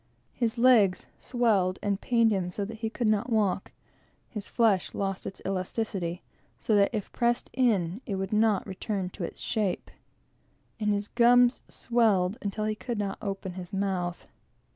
His legs swelled and pained him so that he could not walk; his flesh lost its elasticity, so that if it was pressed in, it would not return to its shape; and his gums swelled until he could not open his mouth.